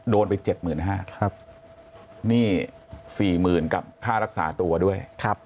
โดนไปเจ็ดหมื่นห้าครับนี่สี่หมื่นกับค่ารักษาตัวด้วยครับ